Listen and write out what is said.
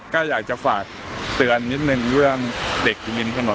ก็อยากจะฝากเตือนนิดนึงเรื่องเด็กอยู่ริมถนน